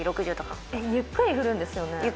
ゆっくり振るんですよね？